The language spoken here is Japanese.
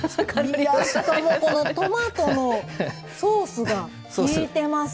いやしかもこのトマトのソースがきいてます。